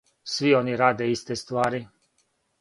Сви они раде исте ствари.